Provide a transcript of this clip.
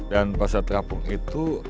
dan pasar terapung itu